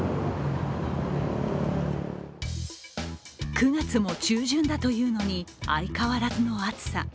９月も中旬だというのに、相変わらずの暑さ。